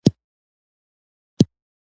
په منظم او پاک تخت غونجه ناسته وه.